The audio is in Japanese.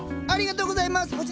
ありがとうございます！